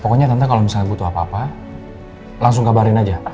pokoknya tante kalau misalnya butuh apa apa langsung kabarin aja